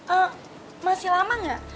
oh masih lama nggak